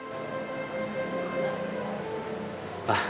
terima kasih pak